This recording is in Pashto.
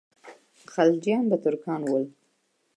خلجیان به ترکان ول.